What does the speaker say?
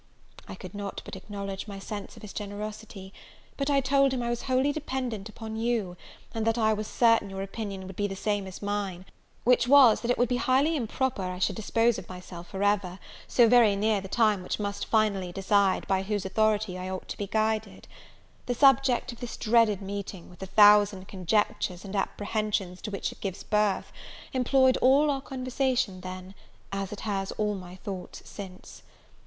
I could not but acknowledge my sense of his generosity; but I told him I was wholly dependent upon you; and that I was certain your opinion would be the same as mine; which was, that it would be highly improper I should dispose of myself for ever, so very near the time which must finally decide by whose authority I ought to be guided. The subject of this dreaded meeting, with the thousand conjectures and apprehensions to which it gives birth, employed all our conversation then, as it has all my thoughts since.